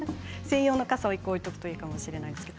専用の傘を置いておくといいかもしれません。